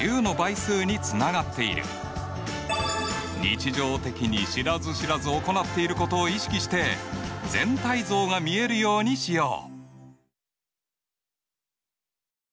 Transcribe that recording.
日常的に知らず知らず行っていることを意識して全体像が見えるようにしよう。